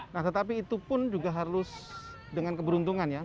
nah tetapi itu pun juga harus dengan keberuntungannya